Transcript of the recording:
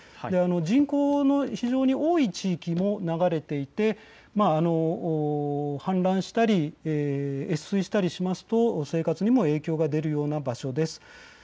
人口の非常に多い地域も流れていて氾濫したり越水したりしますと生活にも影響が出るような場所です。